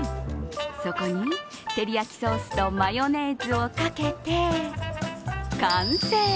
そこに、てりやきソースとマヨネーズをかけて完成。